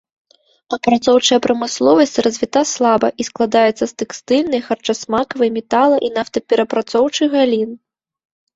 Апрацоўчая прамысловасць развіта слаба і складаецца з тэкстыльнай, харчасмакавай, метала- і нафтаперапрацоўчай галін.